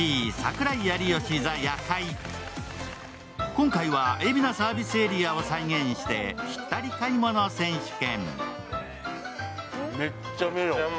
今回は海老名サービスエリアを再現してぴったり買い物選手権。